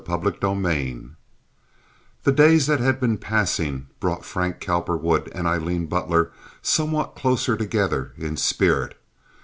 Chapter XVII The days that had been passing brought Frank Cowperwood and Aileen Butler somewhat closer together in spirit.